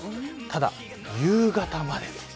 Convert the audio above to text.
ただ、夕方まで。